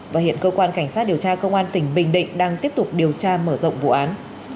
và hiện cơ quan cảnh sát điều tra công an tỉnh bình định đang tiếp tục điều tra mở rộng vụ án